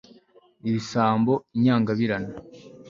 ibisambo, inyangabirama